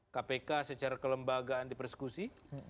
kpk secara kelembagaan dipersekusi